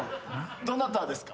どなたですか？